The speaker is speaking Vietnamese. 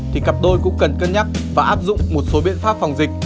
thì cặp đôi cũng cần cân nhắc và áp dụng một số biện pháp phòng dịch